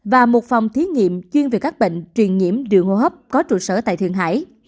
và một phòng thí nghiệm chuyên về các bệnh truyền nhiễm đường hô hấp có trụ sở tại thượng hải